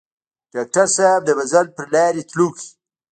ډاکټر صېب د منزل پۀ لارې تلونکے